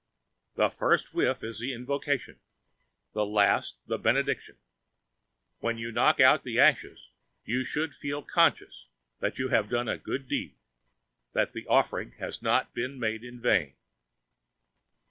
The first whiff is the invocation, the last the benediction. When you knock out the ashes you should feel conscious that you have done a good deed, that the offering has not been made in vain.